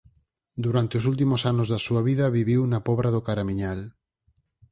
Durante os últimos anos da súa vida viviu na Pobra do Caramiñal.